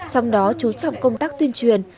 trong đó chú trọng công tác tuyên truyền